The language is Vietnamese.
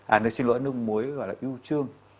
à xin lỗi nước muối gọi là yêu chương